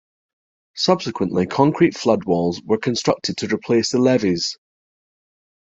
Subsequently, concrete floodwalls were constructed to replace the levees.